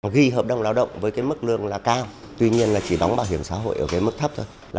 ghi hợp đồng lao động với mức lương cao tuy nhiên chỉ đóng bảo hiểm xã hội ở mức thấp thôi